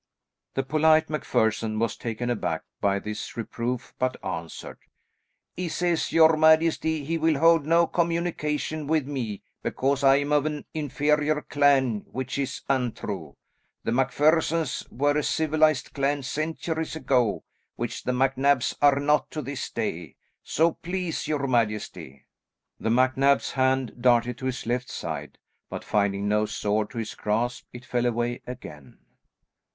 The polite MacPherson was taken aback by this reproof, but answered, "He says, your majesty, he will hold no communication with me, because I am of an inferior clan, which is untrue. The MacPhersons were a civilised clan centuries ago, which the MacNabs are not to this day, so please your majesty." The MacNab's hand darted to his left side, but finding no sword to his grasp, it fell away again.